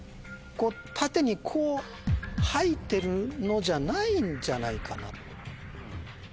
縦にこう生えてるのじゃないんじゃないかな？